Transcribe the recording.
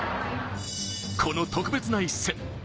この特別な一戦。